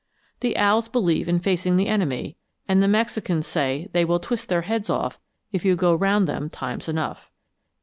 The owls believe in facing the enemy, and the Mexicans say they will twist their heads off if you go round them times enough.